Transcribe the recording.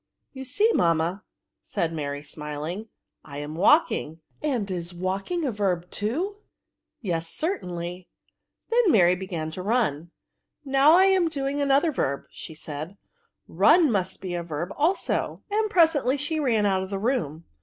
'' You see, mamma," said Mary, smiling— I am walking ; and is vfalking a verb too ?"Yes, certainly." a VERBS. 61 Maty then b^an to run. ^' Now I am doing another verb/' said she ;'' run must be a verb also/' and presently she ran out of the room.